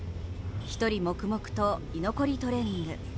１人黙々と居残りトレーニング。